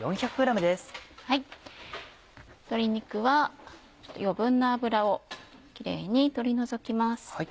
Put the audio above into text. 鶏肉は余分な脂をきれいに取り除きます。